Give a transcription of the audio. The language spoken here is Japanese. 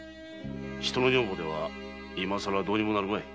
ヒトの女房では今更どうにもなるまい。